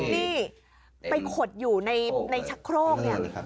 นี่ไปขดอยู่ในชะโครกเนี่ย